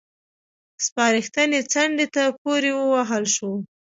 سپارښتنې څنډې ته پورې ووهل شوې.